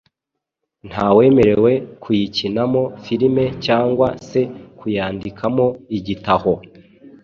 ntawemerewe kuyikinamo ,filime cyangwa se kuyandikamo igitaho.